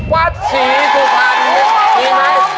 วัดฉีสุภัณฑ์